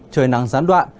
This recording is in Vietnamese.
trời nắng gián đoạn